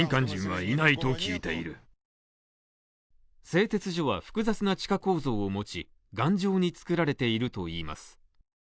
製鉄所は複雑な地下構造を持ち、頑丈に作られているといいます。